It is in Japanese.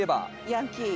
ヤンキー？